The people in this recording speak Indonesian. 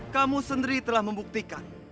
kamu sendiri telah membuktikan